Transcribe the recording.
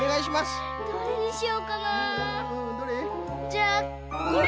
じゃあこれ！